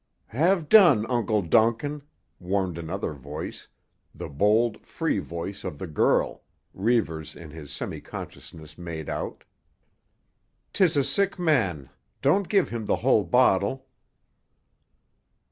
"Have done, Uncle Duncan," warned another voice—the bold, free voice of the girl, Reivers in his semi consciousness made out. "'Tis a sick man. Don't give him the whole bottle."